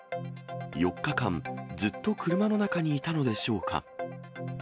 ４日間、ずっと車の中にいたのでしょうか。